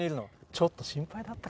ちょっと心配だったから。